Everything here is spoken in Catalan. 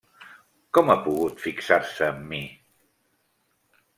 Com ha pogut fixar-se en mi?